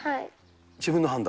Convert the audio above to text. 自分の判断？